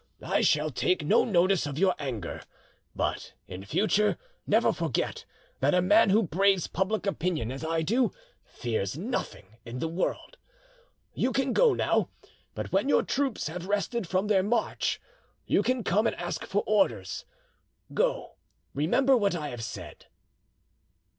"I shall take no notice of your anger, but in future never forget that a man who braves public opinion as I do fears nothing in the world. You can go now; when your troops have rested from their march, you can come and ask for orders. Go, remember what I have said."